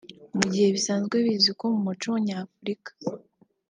Mu gihe bisanzwe bizwi ko mu muco nyafurika